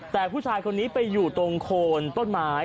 แต่ผู้ชายคนนี้ไปอยู่ตรงโคนต้นไม้